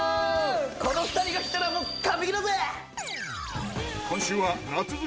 この２人が来たらもう完璧だぜ！